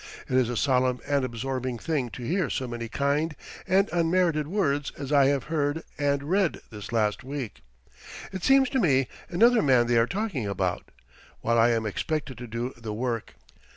It is a solemn and absorbing thing to hear so many kind and unmerited words as I have heard and read this last week. It seems to me another man they are talking about, while I am expected to do the work.